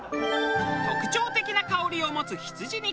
特徴的な香りを持つ羊肉。